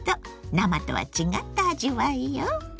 生とは違った味わいよ。